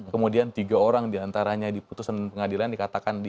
kemudian tiga orang diantaranya diputuskan pengadilan dikasihkan ke dpr